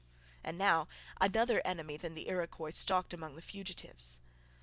And now another enemy than the Iroquois stalked among the fugitives.